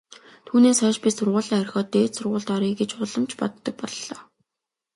Түүнээс хойш би сургуулиа орхиод дээд сургуульд оръё гэж улам ч боддог боллоо.